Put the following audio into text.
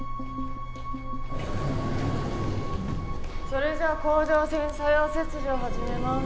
それじゃあ甲状腺左葉切除を始めます。